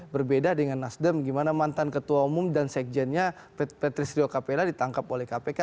berbeda dengan nasdem gimana mantan ketua umum dan sekjennya patrice rio capella ditangkap oleh kpk